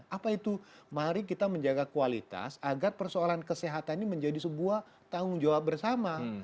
apa itu mari kita menjaga kualitas agar persoalan kesehatan ini menjadi sebuah tanggung jawab bersama